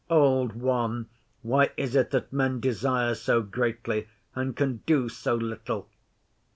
Old One, why is it that men desire so greatly, and can do so little?